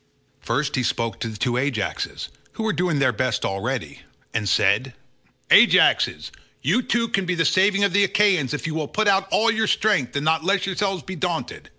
First he spoke to the two Ajaxes, who were doing their best already, and said, "Ajaxes, you two can be the saving of the Achaeans if you will put out all your strength and not let yourselves be daunted.